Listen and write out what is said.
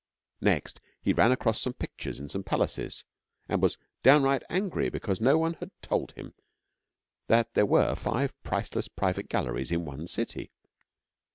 Next he ran across some pictures in some palaces, and was downright angry because no one had told him that there were five priceless private galleries in one city.